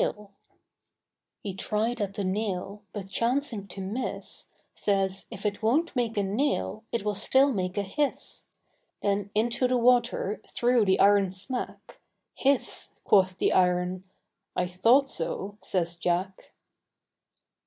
He tried at the nail, But chancing to miss, Says, if it wonât make a nail, It will still make a hiss; Then into the water Threw the iron smack, Hiss, quoth the iron, I thought so, says Jack.